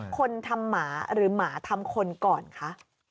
คนทำหมาหรือหมาทำคนก่อนคะ